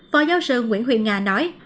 phó giáo sư nguyễn huyền nga nói